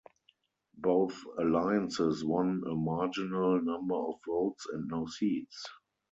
Both alliances won a marginal number of votes and no seats.